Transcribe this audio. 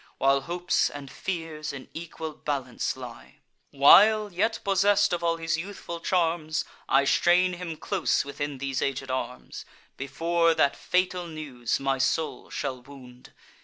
While hopes and fears in equal balance lie; While, yet possess'd of all his youthful charms, I strain him close within these aged arms; Before that fatal news my soul shall wound!"